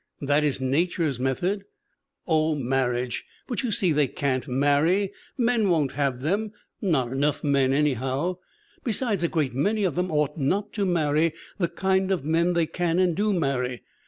'That is nature's method/ " 'Oh, marriage, but you see they can't marry. Men won't have them; not enough men anyhow. Besides a great many of them ought not to marry the kind of men they can and do marry.